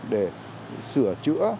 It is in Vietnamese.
để sửa chữa